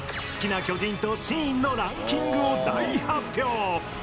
好きな巨人とシーンのランキングを大発表！